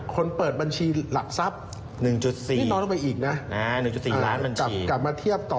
คนเปิดบัญชีหลักทรัพย์๑๔ล้านบัญชี